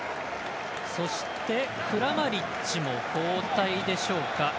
そしてクラマリッチも交代でしょうか。